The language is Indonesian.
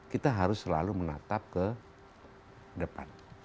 kita harus selalu menatap ke depan